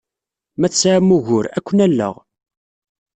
Ma tesɛam ugur, ad ken-alleɣ.